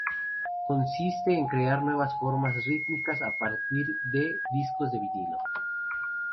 Consiste en crear nuevas formas rítmicas a partir de discos de vinilo.